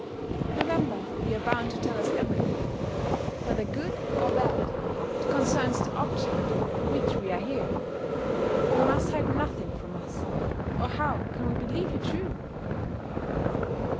— ^Remember you are bound to tell us everything, whether good or bad, that con cerns the object for which we are here : you must hide nothing from us, or how can we believe you true?"